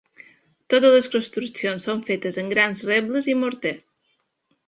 Totes les construccions són fetes amb grans rebles i morter.